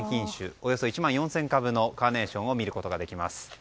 およそ１万４０００株のカーネーションを見ることができます。